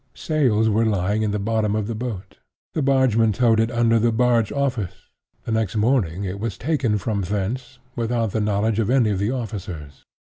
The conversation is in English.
Sails were lying in the bottom of the boat. The bargeman towed it under the barge office. The next morning it was taken from thence, without the knowledge of any of the officers.